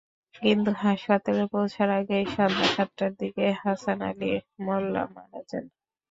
কিন্তু হাসপাতালে পৌঁছার আগেই সন্ধ্যা সাতটার দিকে হাসান আলী মোল্যা মারা যান।